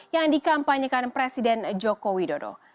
yang dikampanyekan presiden joko widodo